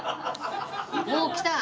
もうきた？